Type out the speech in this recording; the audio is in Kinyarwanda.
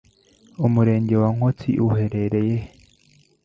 Umurenge wa Nkotsi uherereye he